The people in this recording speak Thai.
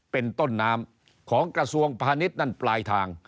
เป็นต้นน้ำของกระทรวงพาณิชย์นั่นปลายทาง